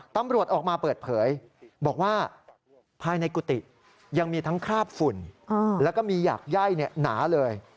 ตำรวจออกมาเปิดเผยบอกว่าภายในกุฏิยังมีทั้งคราบฝุ่นแล้วก็มีหยากไย่หนาเลย